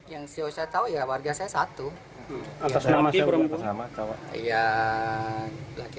warga saya satu